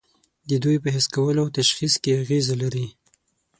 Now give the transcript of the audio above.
دوی په حس کولو او تشخیص کې اغیزه لري.